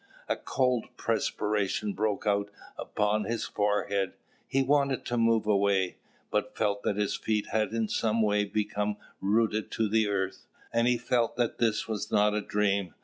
A cold perspiration broke out upon his forehead. He wanted to move away, but felt that his feet had in some way become rooted to the earth. And he felt that this was not a dream.